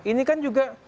ini kan juga